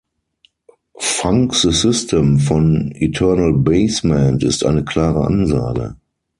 "Funk the system" von Eternal Basement ist eine klare Ansage.